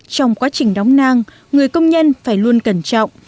trong quá trình đóng nang người công nhân phải luôn cẩn trọng